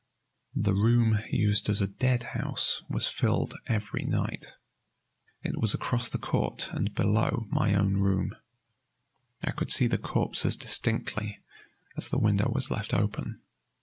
The room used as a dead house was filled every night. It was across the court and below my own room. I could see the corpses distinctly, as the window was left open.